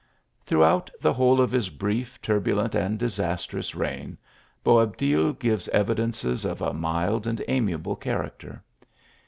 Throughout the whole of his brief, turbulent, and disastrous reign, Boabdil gives evidences of a mild and amiable character.